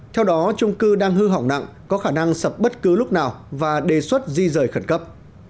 theo đó trung cư đang hư hỏng nặng có khả năng sập bất cứ lúc nào và đề xuất di rời khẩn cấp